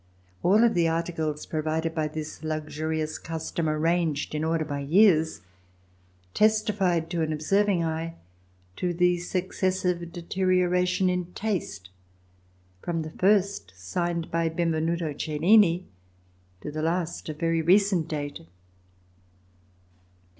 All of the articles provided by this luxurious custom, arranged in order by years, testified, to an observing eye, to the successive de terioration in taste, from the first signed by Ben venuto Cellini, to the last of very recent date.